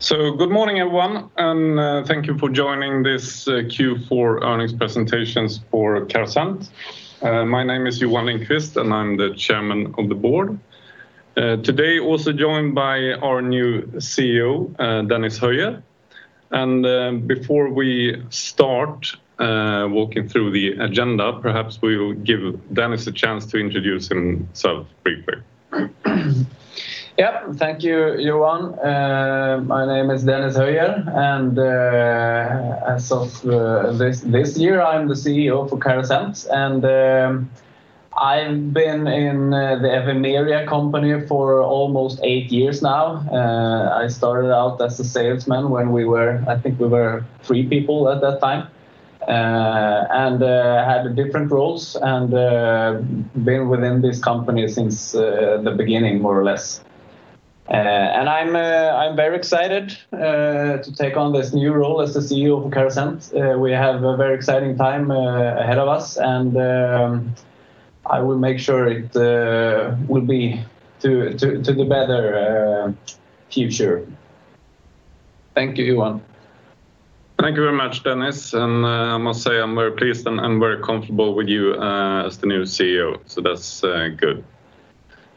Good morning, everyone, and thank you for joining this Q4 earnings presentation for Carasent. My name is Johan Lindqvist, and I'm the chairman of the board. Today also joined by our new CEO, Dennis Höjer. Before we start walking through the agenda, perhaps we will give Dennis a chance to introduce himself briefly. Yep. Thank you, Johan. My name is Dennis Höjer, and as of this year, I'm the CEO for Carasent. I've been in the Evimeria company for almost eight years now. I started out as a salesman when we were, I think we were three people at that time. Had different roles and been within this company since the beginning, more or less. I'm very excited to take on this new role as the CEO of Carasent. We have a very exciting time ahead of us, and I will make sure it will be to the better future. Thank you, Johan. Thank you very much, Dennis. I must say I'm very pleased and very comfortable with you as the new CEO, so that's good.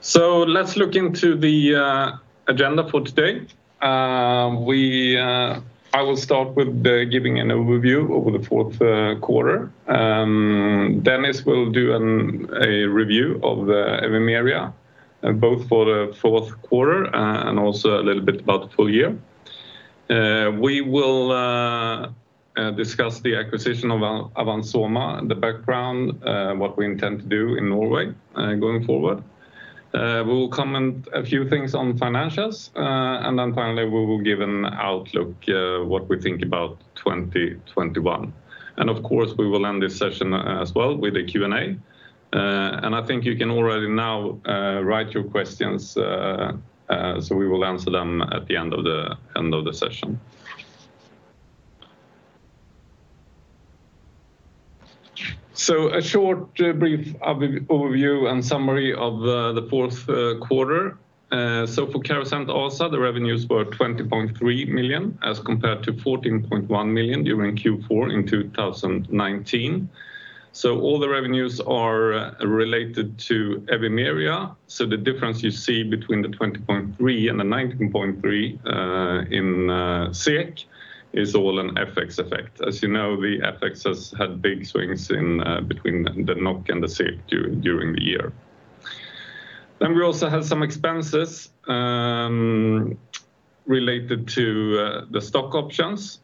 Let's look into the agenda for today. I will start with giving an overview over the fourth quarter. Dennis will do a review of the Evimeria, both for the fourth quarter and also a little bit about the full year. We will discuss the acquisition of Avans Soma, the background, what we intend to do in Norway going forward. We will comment a few things on financials, and then finally, we will give an outlook what we think about 2021. Of course, we will end this session as well with a Q&A. I think you can already now write your questions, so we will answer them at the end of the session. A short, brief overview and summary of the fourth quarter. For Carasent also, the revenues were 20.3 million as compared to 14.1 million during Q4 2019. All the revenues are related to Evimeria, the difference you see between 20.3 and 19.3 is all an FX effect. As you know, the FX has had big swings between the NOK and the SEK during the year. We also had some expenses related to the stock options,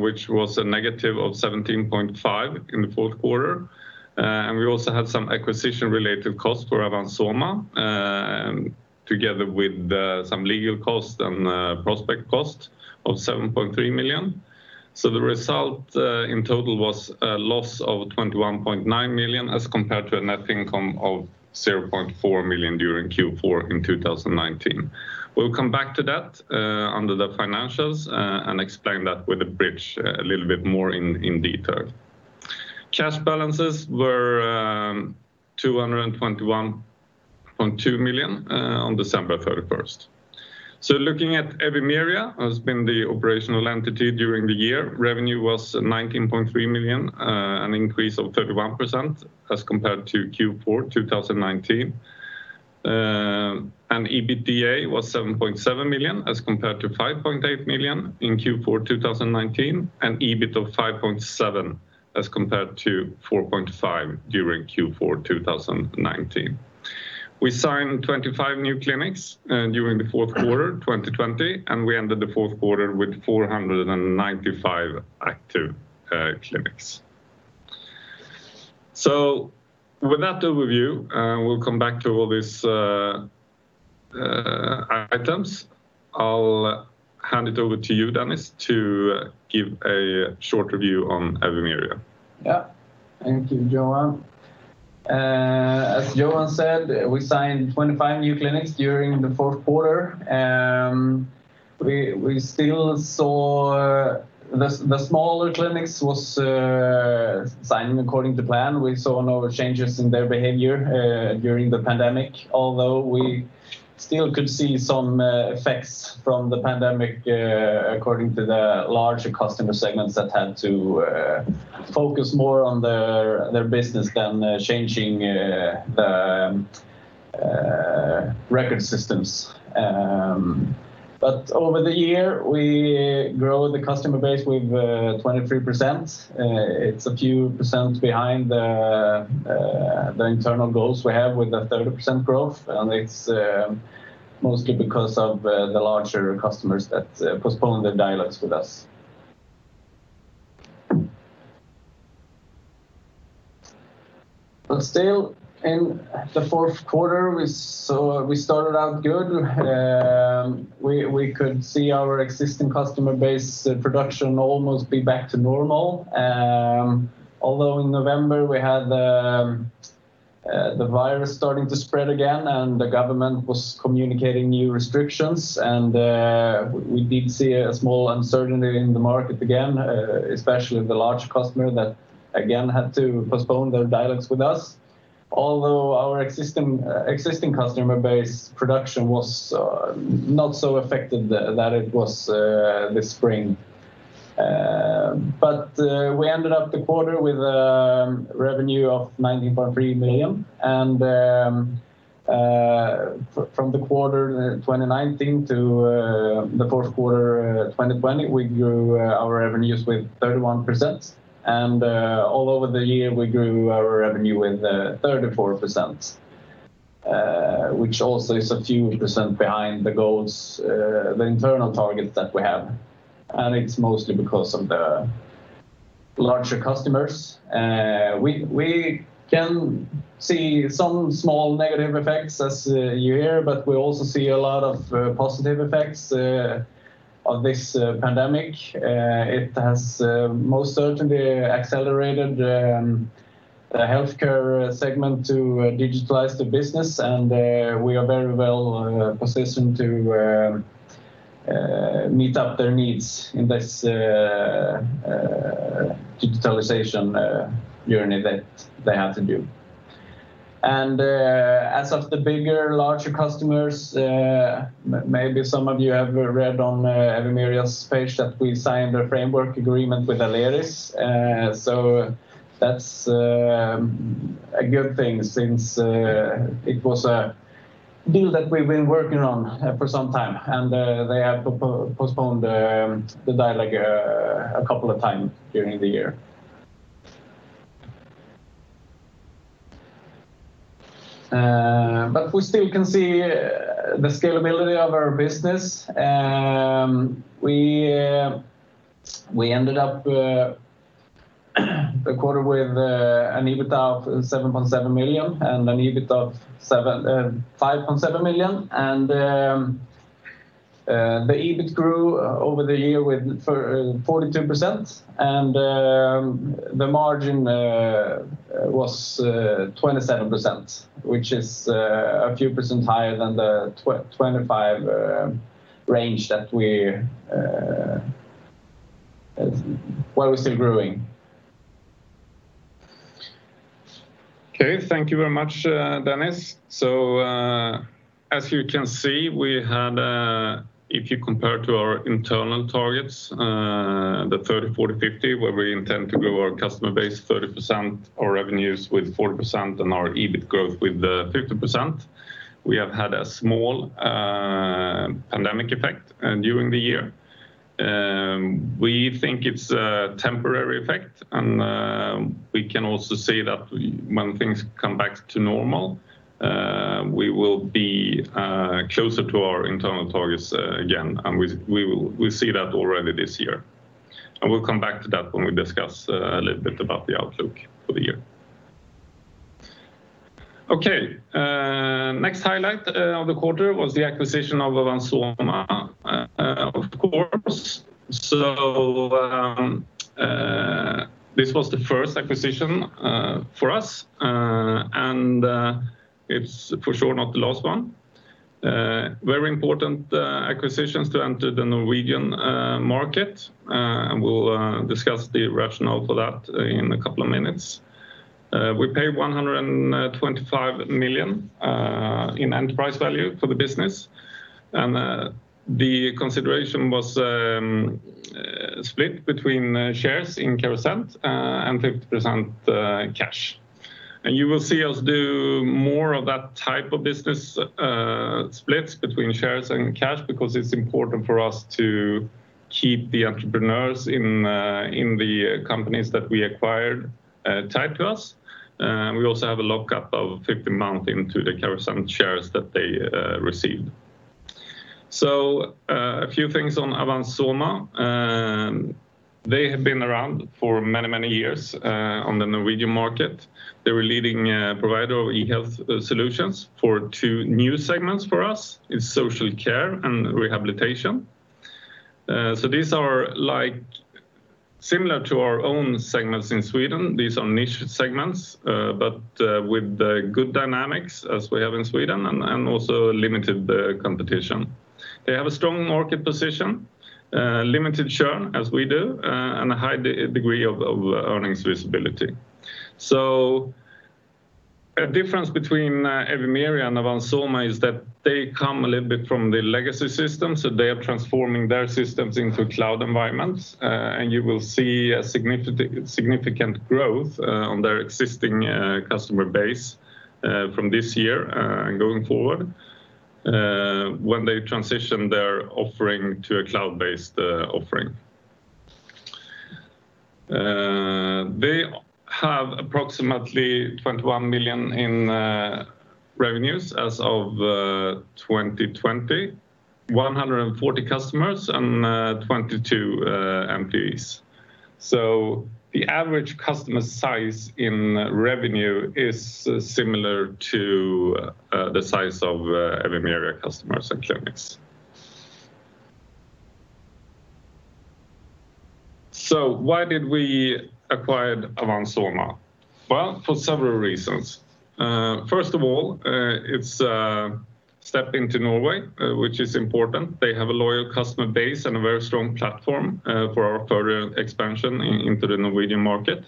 which was a negative of 17.5 in the fourth quarter. We also had some acquisition-related costs for Avans Soma, together with some legal costs and prospect costs of 7.3 million. The result in total was a loss of 21.9 million, as compared to a net income of 0.4 million during Q4 in 2019. We'll come back to that under the financials and explain that with a bridge a little bit more in detail. Cash balances were 221.2 million on December 31st. Looking at Evimeria, has been the operational entity during the year. Revenue was 19.3 million, an increase of 31% as compared to Q4 2019. EBITDA was 7.7 million as compared to 5.8 million in Q4 2019, EBIT of 5.7 million as compared to 4.5 million during Q4 2019. We signed 25 new clinics during the fourth quarter 2020, and we ended the fourth quarter with 495 active clinics. With that overview, we'll come back to all these items. I'll hand it over to you, Dennis, to give a short review on Evimeria. Yeah. Thank you, Johan. As Johan said, we signed 25 new clinics during the fourth quarter. We still saw the smaller clinics was signed according to plan. We saw no changes in their behavior during the pandemic, although we still could see some effects from the pandemic according to the larger customer segments that had to focus more on their business than changing the record systems. Over the year, we grew the customer base with 23%. It's a few percent behind the internal goals we have with the 30% growth, and it's mostly because of the larger customers that postponed their dialogues with us. Still, in the fourth quarter, we started out good. We could see our existing customer base production almost be back to normal. In November, we had the virus starting to spread again, and the government was communicating new restrictions, and we did see a small uncertainty in the market again, especially the large customer that again had to postpone their dialogues with us. Our existing customer base production was not so affected that it was this spring. We ended up the quarter with a revenue of 19.3 million. From the quarter 2019 to the fourth quarter 2020, we grew our revenues with 31%. All over the year we grew our revenue with 34%, which also is a few percent behind the goals, the internal targets that we have. It's mostly because of the larger customers. We can see some small negative effects as you hear, but we also see a lot of positive effects of this pandemic. It has most certainly accelerated the healthcare segment to digitalize the business, we are very well positioned to meet up their needs in this digitalization journey that they had to do. As of the bigger, larger customers, maybe some of you have read on Evimeria's page that we signed a framework agreement with Aleris. That's a good thing since it was a deal that we've been working on for some time, and they have postponed the dialogue a couple of times during the year. We still can see the scalability of our business. We ended up the quarter with an EBITDA of SEK 7.7 million and an EBIT of 5.7 million. The EBIT grew over the year with 42%, and the margin was 27%, which is a few percent higher than the 25% range while we're still growing. Okay. Thank you very much, Dennis. As you can see, if you compare to our internal targets, the 30%, 40%, 50%, where we intend to grow our customer base 30%, our revenues with 40%, and our EBIT growth with 50%. We have had a small pandemic effect during the year. We think it's a temporary effect, and we can also say that when things come back to normal, we will be closer to our internal targets again. We see that already this year. We'll come back to that when we discuss a little bit about the outlook for the year. Okay. Next highlight of the quarter was the acquisition of Avans Soma, of course. This was the first acquisition for us, and it's for sure not the last one. Very important acquisitions to enter the Norwegian market. We'll discuss the rationale for that in a couple of minutes. We paid 125 million in enterprise value for the business, the consideration was split between shares in Carasent, and 50% cash. You will see us do more of that type of business splits between shares and cash because it's important for us to keep the entrepreneurs in the companies that we acquired tied to us. We also have a lockup of 15 months into the Carasent shares that they received. A few things on Avans Soma. They have been around for many years on the Norwegian market. They were leading provider of e-health solutions for two new segments for us, is social care and rehabilitation. These are similar to our own segments in Sweden. These are niche segments, with good dynamics as we have in Sweden and also limited competition. They have a strong market position, limited churn as we do, and a high degree of earnings visibility. A difference between Evimeria and Avans Soma is that they come a little bit from the legacy system, so they are transforming their systems into cloud environments. You will see a significant growth on their existing customer base from this year and going forward, when they transition their offering to a cloud-based offering. They have approximately 21 million in revenues as of 2020, 140 customers, and 22 FTEs. The average customer size in revenue is similar to the size of Evimeria customers and clinics. Why did we acquire Avans Soma? Well, for several reasons. First of all, it's a step into Norway, which is important. They have a loyal customer base and a very strong platform for our further expansion into the Norwegian market.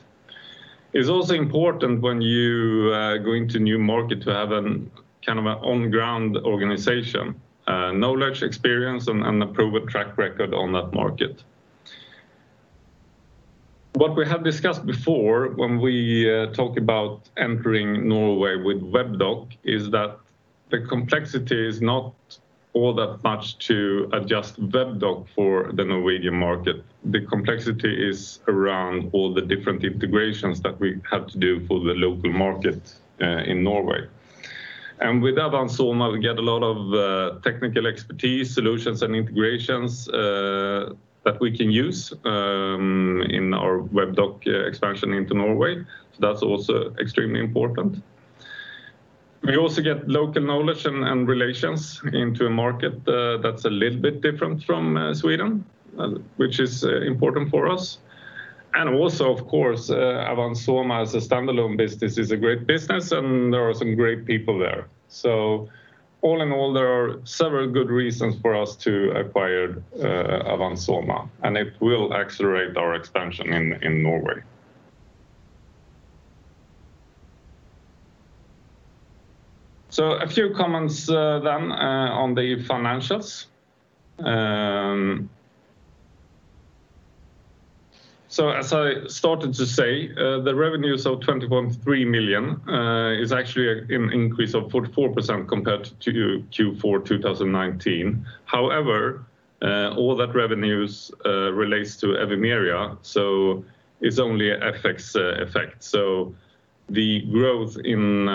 It's also important when you go into new market to have an on-ground organization, knowledge, experience, and a proven track record on that market. What we have discussed before when we talk about entering Norway with Webdoc is that the complexity is not all that much to adjust Webdoc for the Norwegian market. The complexity is around all the different integrations that we have to do for the local market in Norway. With Avans Soma, we get a lot of technical expertise, solutions, and integrations that we can use in our Webdoc expansion into Norway. That's also extremely important. We also get local knowledge and relations into a market that's a little bit different from Sweden, which is important for us. Also, of course, Avans Soma as a standalone business is a great business, and there are some great people there. All in all, there are several good reasons for us to acquire Avans Soma, and it will accelerate our expansion in Norway. A few comments on the financials. As I started to say, the revenues of 21.3 million is actually an increase of 44% compared to Q4 2019. All that revenues relates to Evimeria, so it's only FX effect. The growth in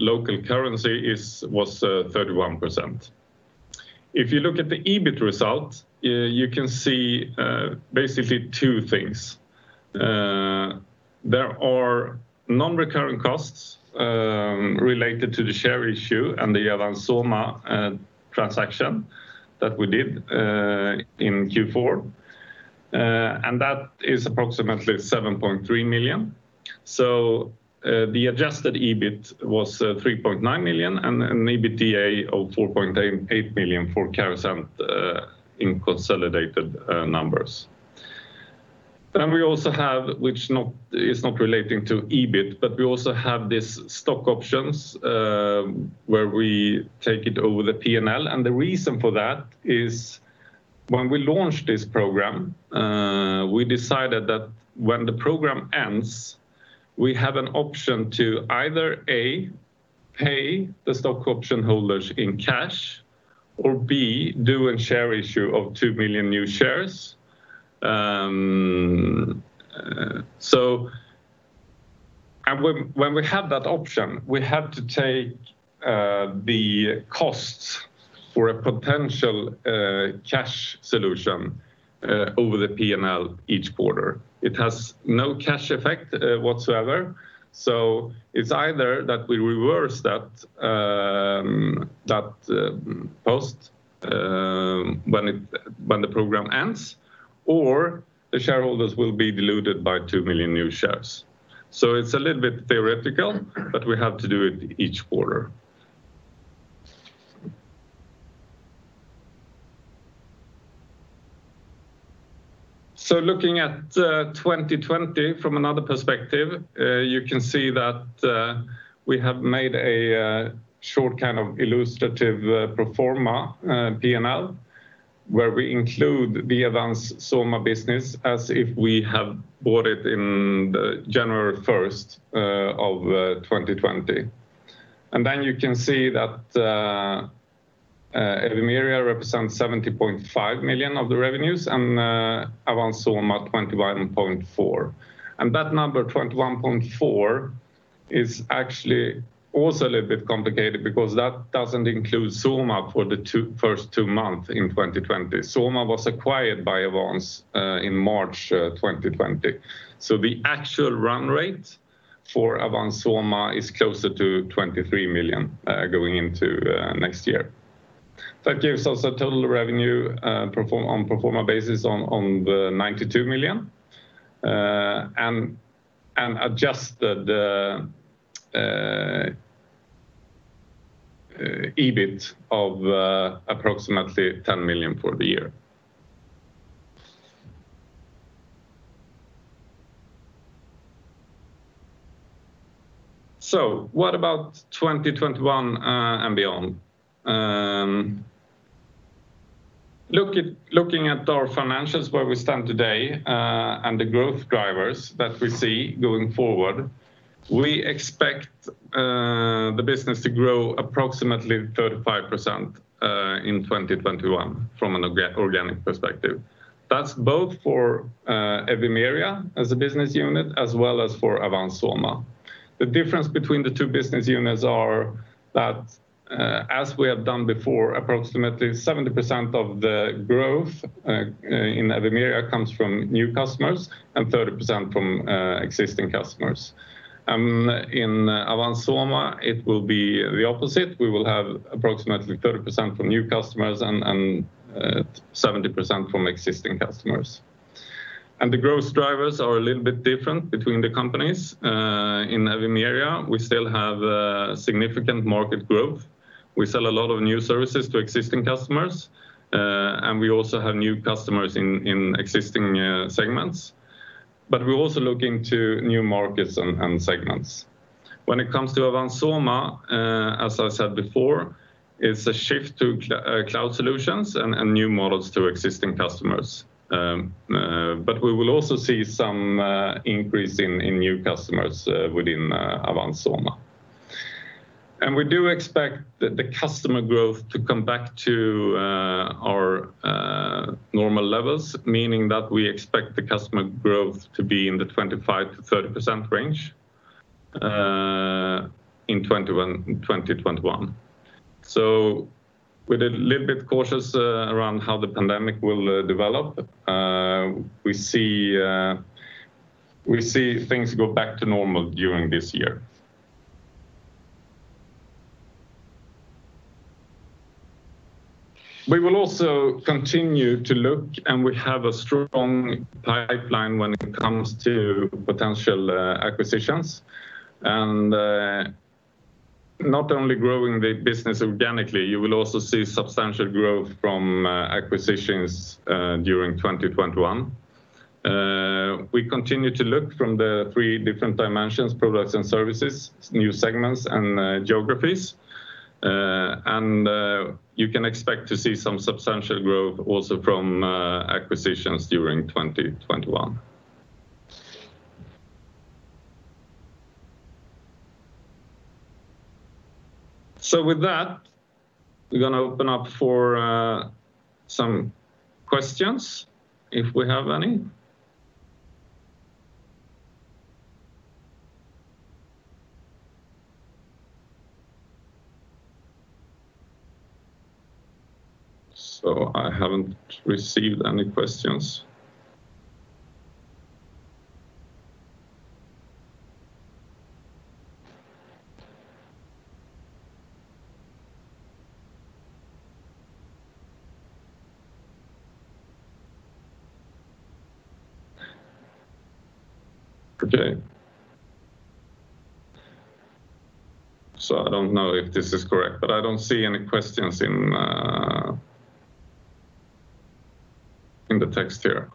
local currency was 31%. If you look at the EBIT results, you can see basically two things. There are non-recurrent costs related to the share issue and the Avans Soma transaction that we did in Q4. That is approximately 7.3 million. The adjusted EBIT was 3.9 million and an EBITDA of 4.8 million for Carasent in consolidated numbers. We also have, which is not relating to EBIT, we also have these stock options where we take it over the P&L. The reason for that is when we launched this program, we decided that when the program ends, we have an option to either, A, pay the stock option holders in cash, or B, do a share issue of 2 million new shares. When we have that option, we have to take the costs for a potential cash solution over the P&L each quarter. It has no cash effect whatsoever. It's either that we reverse that post when the program ends or the shareholders will be diluted by 2 million new shares. It's a little bit theoretical, but we have to do it each quarter. Looking at 2020 from another perspective, you can see that we have made a short kind of illustrative pro forma P&L, where we include the Avans Soma business as if we have bought it in January 1st of 2020. You can see that Evimeria represents 70.5 million of the revenues and Avans Soma 21.4. That number, 21.4, is actually also a little bit complicated because that doesn't include Soma for the first two months in 2020. Soma was acquired by Carasent in March 2020. The actual run rate for Avans Soma is closer to 23 million going into next year. That gives us a total revenue on pro forma basis of SEK 92 million and adjusted EBIT of approximately 10 million for the year. What about 2021 and beyond? Looking at our financials where we stand today and the growth drivers that we see going forward, we expect the business to grow approximately 35% in 2021 from an organic perspective. That's both for Evimeria as a business unit as well as for Avans Soma. The difference between the two business units are that as we have done before, approximately 70% of the growth in Evimeria comes from new customers and 30% from existing customers. In Avans Soma, it will be the opposite. We will have approximately 30% from new customers and 70% from existing customers. The growth drivers are a little bit different between the companies. In Evimeria, we still have significant market growth. We sell a lot of new services to existing customers, and we also have new customers in existing segments. We're also looking to new markets and segments. When it comes to Avans Soma, as I said before, it's a shift to cloud solutions and new models to existing customers. We will also see some increase in new customers within Avans Soma. We do expect the customer growth to come back to our normal levels, meaning that we expect the customer growth to be in the 25%-30% range in 2021. We're a little bit cautious around how the pandemic will develop. We see things go back to normal during this year. We will also continue to look, and we have a strong pipeline when it comes to potential acquisitions. Not only growing the business organically, you will also see substantial growth from acquisitions during 2021. We continue to look from the three different dimensions, products and services, new segments and geographies. You can expect to see some substantial growth also from acquisitions during 2021. With that, we're going to open up for some questions, if we have any. I haven't received any questions. Okay. I don't know if this is correct, but I don't see any questions in the text here.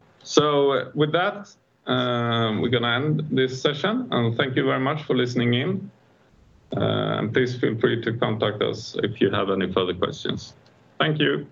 With that, we're going to end this session, and thank you very much for listening in. Please feel free to contact us if you have any further questions. Thank you.